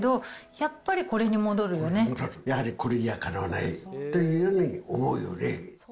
やはり、これにはかなわないというように思うよね。